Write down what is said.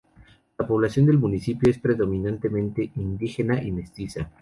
La población del municipio es predominantemente indígena y mestiza.